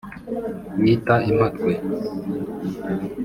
bita impatwe